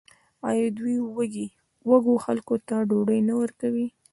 آیا دوی وږو خلکو ته ډوډۍ نه ورکوي؟